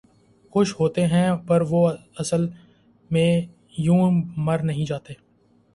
خوش ہوتے ہیں پر وصل میں یوں مر نہیں جاتے